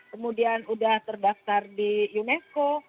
kemudian sudah terdaftar di unesco